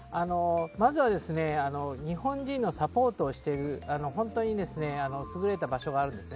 まずは日本人のサポートをしている優れた場所があるんです。